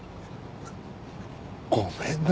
ごめんな。